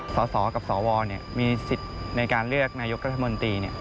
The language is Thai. สสกับสวมีสิทธิ์ในการเลือกนายกรัฐมนตรี